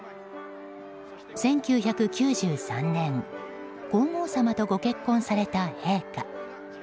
１９９３年皇后さまとご結婚された陛下。